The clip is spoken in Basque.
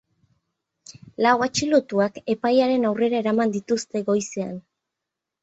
Lau atxilotuak epailearen aurrera eraman dituzte goizean.